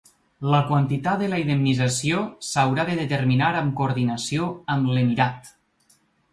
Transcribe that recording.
La quantitat de la indemnització s’haurà de determinar amb coordinació amb l’emirat.